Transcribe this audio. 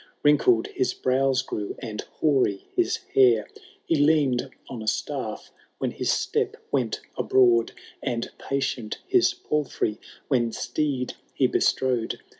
Wrinkled his brows grew, and hoary his hair ; He leaned on a staff, when his step went abroad. And patient his palfrey, when steed he bestrode.